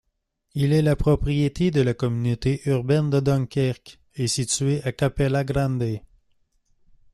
Il est la propriété de la communauté urbaine de Dunkerque et situé à Cappelle-la-Grande.